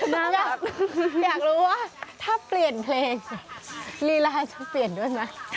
อยากรู้ว่าถ้าเปลี่ยนเพลงลีลาฉันเปลี่ยนด้วยไหม